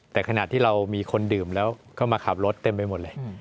แต่ขณะที่เรามีคนดื่มแล้วก็มาขับรถเต็มไปหมดเลย